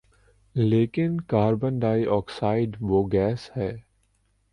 لیکن carbon dioxide وہ gas ہے